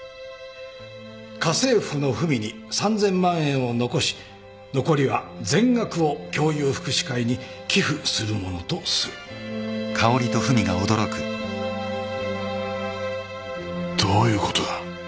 「家政婦のフミに３，０００万円を残し残りは全額を教友福祉会に寄付するものとする」どういうことだ。